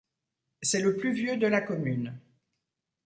C’est le plus vieux de la commune.